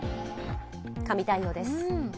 神対応です。